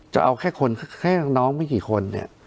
จะเอาแค่คนแค่น้องไม่กี่คนเนี่ย